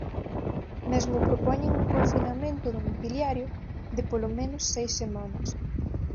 Mesmo propoñen un confinamento domiciliario de polo menos seis semanas.